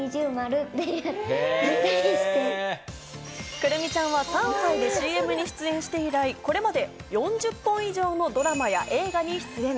来泉ちゃんは３歳でＣＭに出演して以来、これまで４０本以上のドラマや映画に出演。